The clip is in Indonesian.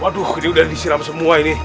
waduh ini udah disiram semua ini